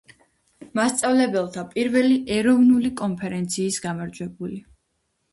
მასწავლებელთა პირველი ეროვნული კონფერენციის გამარჯვებული